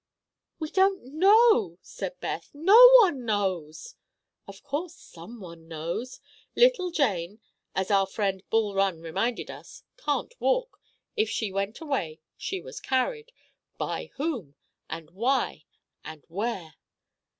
"We don't know," said Beth. "No one knows." "Of course some one knows. Little Jane, as our friend Bul Run reminded us, can't walk. If she went away, she was carried. By whom? And why? And where?"